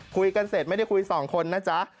คุยกันเสร็จไม่ได้คุยสองคนนะจ๊ะ